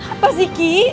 apa sih ki